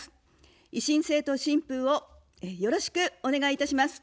維新政党・新風をよろしくお願いいたします。